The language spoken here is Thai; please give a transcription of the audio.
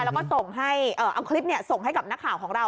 แล้วก็ส่งให้เอาคลิปส่งให้กับนักข่าวของเรา